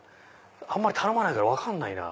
あんまり頼まないから分かんない。